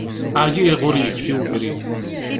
Ɛyiɣ, ur yekfi ubrid.